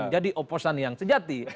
jadi oposan yang sejati